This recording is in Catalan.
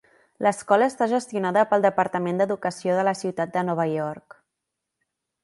L'escola està gestionada pel departament d'educació de la ciutat de Nova York.